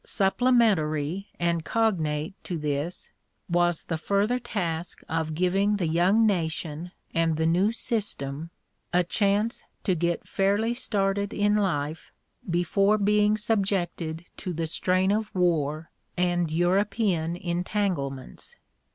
Supplementary and cognate to this was the further task of giving the young nation and the new system a chance to get fairly started in life before being subjected to the strain of war and European entanglements.